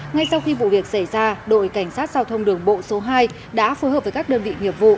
ngay sau khi vụ việc xảy ra đội cảnh sát giao thông đường bộ số hai đã phối hợp với các đơn vị nghiệp vụ